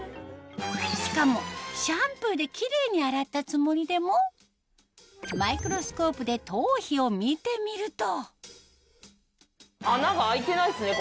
しかもシャンプーでキレイに洗ったつもりでもマイクロスコープで頭皮を見てみると穴が開いてないですね